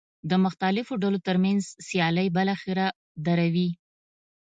د مختلفو ډلو ترمنځ سیالۍ بالاخره دروي.